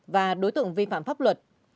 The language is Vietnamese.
và đối tượng vi phạm pháp luật